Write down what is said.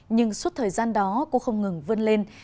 nhưng suốt thời gian đó cô không ngừng vươn lên